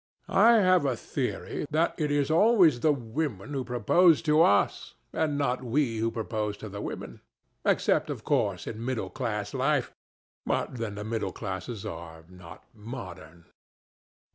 I have a theory that it is always the women who propose to us, and not we who propose to the women. Except, of course, in middle class life. But then the middle classes are not modern."